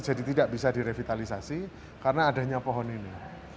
jadi tidak bisa direvitalisasi karena adanya pohon ini